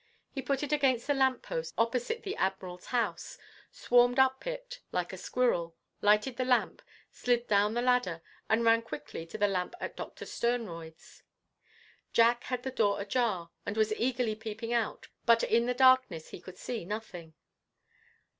He put it against the lamp post opposite the Admiral's house, swarmed up it like a squirrel, lighted the lamp, slid down the ladder, and ran quickly to the lamp at Doctor Sternroyd's. Jack had the door ajar, and was eagerly peeping out; but in the darkness he could see nothing.